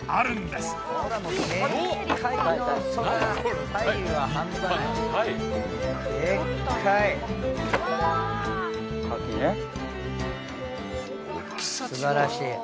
すばらしい。